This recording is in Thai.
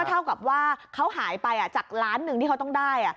เท่ากับว่าเขาหายไปจากล้านหนึ่งที่เขาต้องได้